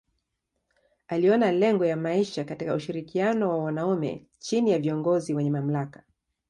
Aliona lengo ya maisha katika ushirikiano wa wanaume chini ya viongozi wenye mamlaka.